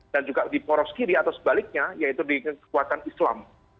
dan juga di poros kiri atau sebaliknya yaitu di kekuatan islam